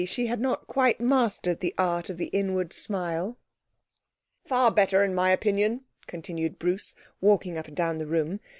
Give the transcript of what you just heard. She had not quite mastered the art of the inward smile. 'Far better, in my opinion,' continued Bruce, walking up and down the room.